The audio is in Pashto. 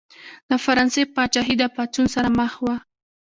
د فرانسې پاچاهي د پاڅون سره مخ وه.